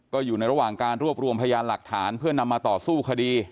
ก็อยู่ในระหว่างการรวบรวมพยานหลักฐานเพื่อนำมาต่อสู้คดี